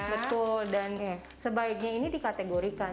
betul dan sebaiknya ini dikategorikan